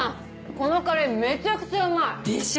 このカレーめちゃくちゃうでしょ？